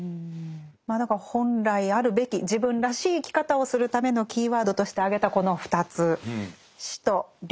まあだから本来あるべき自分らしい生き方をするためのキーワードとして挙げたこの２つ「死」と「良心」ですね。